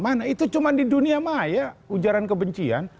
mana itu cuma di dunia maya ujaran kebencian